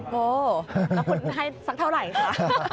โหแล้วคุณให้สักเท่าไหร่คะ